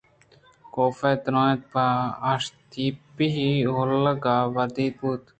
کاف ءَ درّائینت ءُپہ اشتاپی اولگا ءِ ودار ءَ بوت